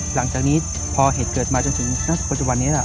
หลังจากนี้พอเห็นเกิดมาจนถึงนักษุโภชวรรณเนี้ยหล่ะ